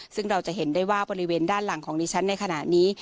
ซึ่งเราจะเห็นได้ว่าบริเวณด้านหลังของดิฉันในขณะนี้